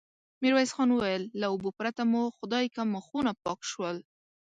ميرويس خان وويل: له اوبو پرته مو خدايکه مخونه پاک شول.